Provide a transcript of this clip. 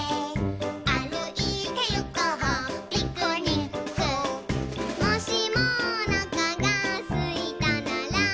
「あるいてゆこうピクニック」「もしもおなかがすいたなら」